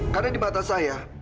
karena di mata saya